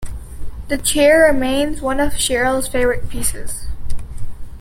The chair remains one of Cherrill's favourite pieces.